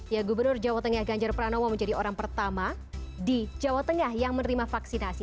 ya gubernur jawa tengah ganjar pranowo menjadi orang pertama di jawa tengah yang menerima vaksinasi